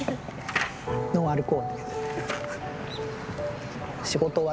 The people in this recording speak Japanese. ノンアルコールです。